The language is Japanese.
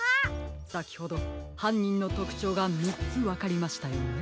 さきほどはんにんのとくちょうが３つわかりましたよね。